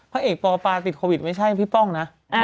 พระเอกปปาติดโควิดไม่ใช่พี่ป้องนะ